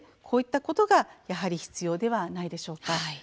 こういったことが必要ではないでしょうか。